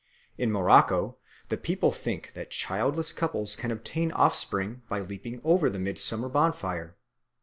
In Morocco the people think that childless couples can obtain offspring by leaping over the midsummer bonfire.